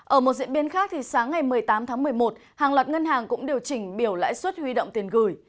ở một diễn biến khác sáng ngày một mươi tám tháng một mươi một hàng loạt ngân hàng cũng điều chỉnh biểu lãi suất huy động tiền gửi